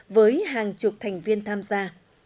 với hàng chục thành viên tham gia